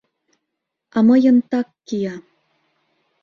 — А мыйын так кия...»